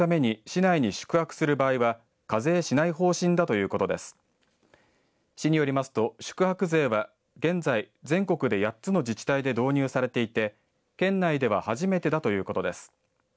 市によりますと宿泊税は現在、全国で８つの自治体で導入されていて県内では初めてだということです。